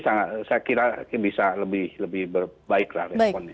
saya kira bisa lebih baiklah responnya